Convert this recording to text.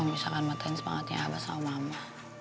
kalau misalkan matahin semangatnya abah sama mama